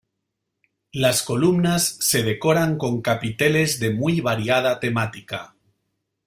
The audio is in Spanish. Las columnas se decoran con capiteles de muy variada temática.